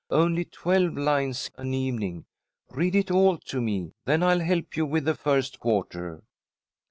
"Only twelve lines an evening. Read it all to me, then I'll help you with the first quarter."